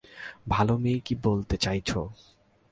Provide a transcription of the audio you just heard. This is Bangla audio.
ভালো মেয়ে কি বলতে চাইছো?